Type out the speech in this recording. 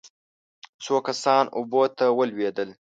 څو کسان اوبو ته ولوېدل.